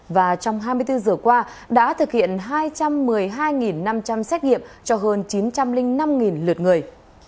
và trong hai mươi bốn giờ qua đã thực hiện hai trăm một mươi hai năm trăm linh xét nghiệm cho hơn chín trăm linh năm lượt người